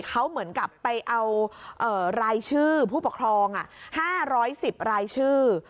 เขาเหมือนกับไปเอารายชื่อผู้ปกครอง๕๑๐รายชื่อ